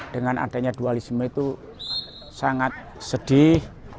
dengan adanya dualisme itu sangat sedih